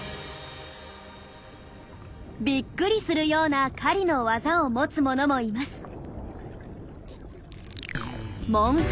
びっくりするような狩りの技を持つものもいます。